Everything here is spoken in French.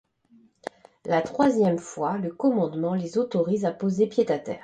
La troisième fois, le commandement les autorise à poser pied à terre.